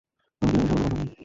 আমি কীভাবে ঝামেলা বাঁধাবো?